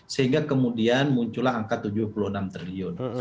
sehingga kemudian muncullah angka rp tujuh puluh triliun